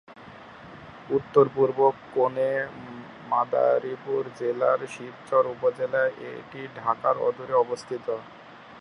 উত্তর পূর্ব কোনে মাদারীপুর জেলার শিবচর উপজেলা এটি ঢাকার অদূরে অবস্থিত।